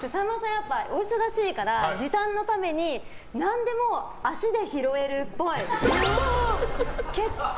やっぱりお忙しいから時短のために何でも足で拾えるっぽい。